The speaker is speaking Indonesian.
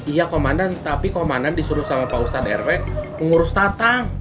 iya komandan tapi komandan disuruh sama pausat eroi mengurus tatang